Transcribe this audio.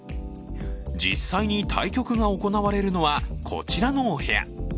実際に対局が行われるのはこちらのお部屋。